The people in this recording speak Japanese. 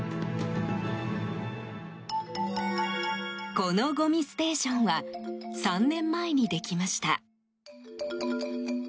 この、ごみステーションは３年前にできました。